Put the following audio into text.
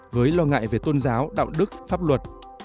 với lo ngại về tôn giáo đạo đức pháp luật